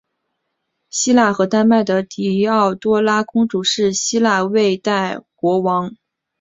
希腊和丹麦的狄奥多拉公主是希腊未代国王康斯坦丁二世和王后的幼女。